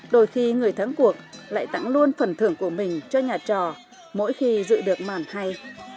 đôi khi người thắng cuộc lại tặng luôn phần thưởng của mình cho nhà trò mỗi khi dự được màn hay